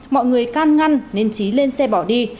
mọi người can ngăn nên trí lên xe bỏ đi